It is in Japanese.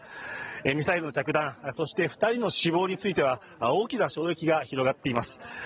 ミサイル着弾、そして２人の死亡については大きな衝撃が広がっています。